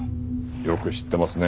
よく知ってますね。